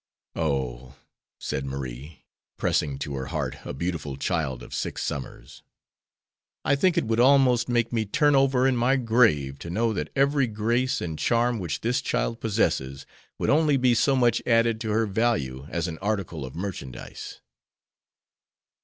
"Oh," said Marie, pressing to her heart a beautiful child of six summers, "I think it would almost make me turn over in my grave to know that every grace and charm which this child possesses would only be so much added to her value as an article of merchandise."